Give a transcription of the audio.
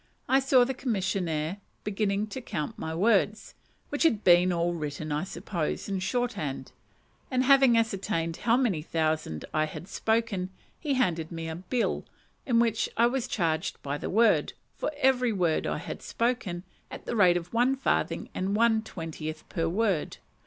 I saw the commissioner beginning to count my words, which had been all written, I suppose, in short hand; and having ascertained how many thousand I had spoken, he handed me a bill, in which I was charged by the word, for every word I had spoken, at the rate of one farthing and one twentieth per word.